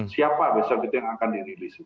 siapa besok itu yang akan dirilis